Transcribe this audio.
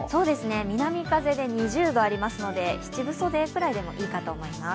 南風で２０度ありますので、七分袖ぐらいでもいいかと思います。